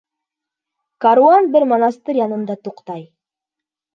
Каруан бер монастырь янында туҡтай.